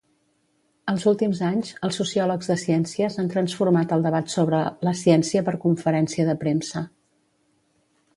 Als últims anys, els sociòlegs de ciències han transformat el debat sobre la "ciència per conferència de premsa".